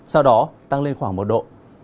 sau đó tăng lên khoảng một độ